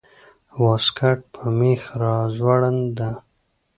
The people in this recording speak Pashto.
واسکټ په مېخ راځوړند ده